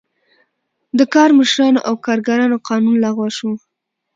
د کارمشرانو او کارګرانو قانون لغوه شو.